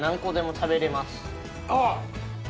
あっ！